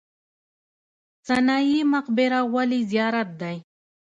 سنايي مقبره ولې زیارت دی؟